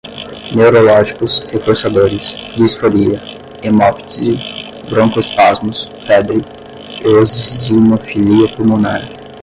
neurológicos, reforçadores, disforia, hemoptise, broncoespasmos, febre, eosinofilia pulmonar